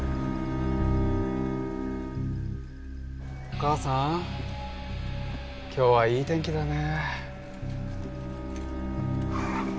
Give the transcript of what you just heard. お母さん今日はいい天気だね